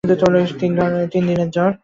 তিন দিনের জ্বর।